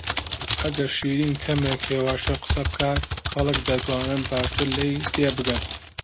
ئەگەر شیرین کەمێک هێواشتر قسە بکات، خەڵک دەتوانن باشتر لێی تێبگەن.